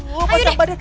aduh pasang badan